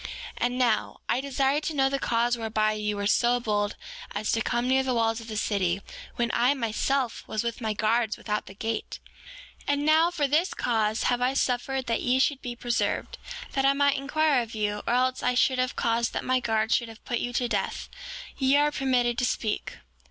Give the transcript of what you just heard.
7:10 And now, I desire to know the cause whereby ye were so bold as to come near the walls of the city, when I, myself, was with my guards without the gate? 7:11 And now, for this cause have I suffered that ye should be preserved, that I might inquire of you, or else I should have caused that my guards should have put you to death. Ye are permitted to speak.